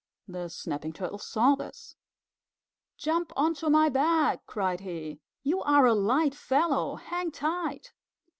The Snapping Turtle saw this. "Jump onto my back," cried he. "You are a light fellow. Hang tight."